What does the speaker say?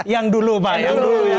yang dulu pak yang dulu